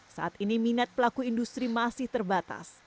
saat ini minat pelaku industri masih terbatas